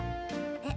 えっ？